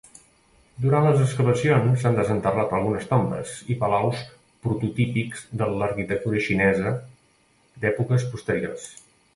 Durant les excavacions s'han desenterrat algunes tombes i palaus prototípics de l'arquitectura xinesa d'èpoques posteriors.